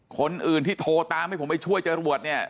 คนอื่นที่โทรตามให้ผมไปช่วยจรวดเนี่ย